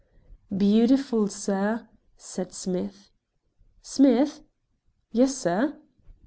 "Bee utiful, sir," said Smith. "Smith!" "Yessir."